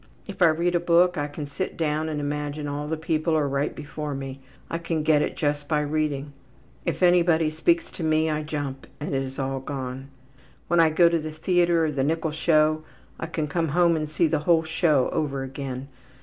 If I read a book I can sit down and imagine all the people are right before me. I can get it just by reading. If anybody speaks to me I jump, and it is all gone. When I go to the theatre or the nickel show I can come home and see the whole show over again.